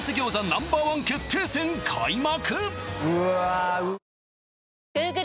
Ｎｏ．１決定戦開幕！